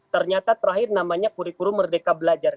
ternyata terakhir namanya kurikulum merdeka belajar